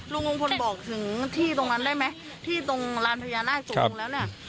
ลุงพลบอกถึงที่ตรงนั้นได้ไหมที่ตรงลานพญานาคตกลงแล้วเนี่ย